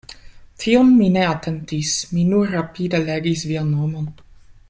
Tion mi ne atentis, mi nur rapide legis vian nomon.